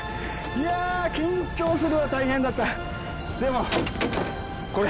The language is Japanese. いや緊張するわ大変だったでもこれ！